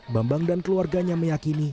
bambang dan keluarganya meyakini